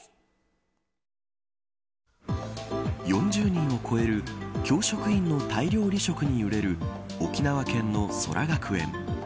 ４０人を超える教職員の大量離職に揺れる沖縄県のＳＯＬＡ学園。